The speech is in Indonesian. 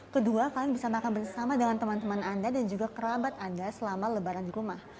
kedua kalian bisa makan bersama dengan teman teman anda dan juga kerabat anda selama lebaran di rumah